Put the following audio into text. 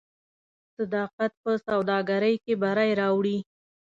صداقت په سوداګرۍ کې بری راوړي.